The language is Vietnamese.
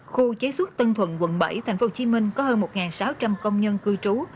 khu chế xuất tân thuận quận bảy thành phố hồ chí minh có hơn một sáu trăm linh công nhân cư trú